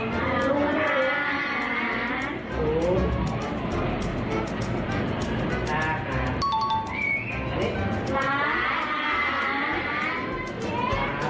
ขอบคุณครับ